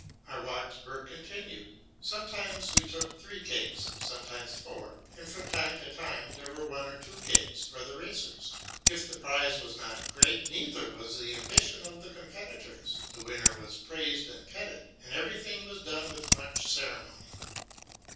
Our walks were continued, sometimes we took three cakes, sometimes four, and from time to time there were one or two cakes for the racers. If the prize was not great, neither was the ambition of the competitors. The winner was praised and petted, and everything was done with much ceremony.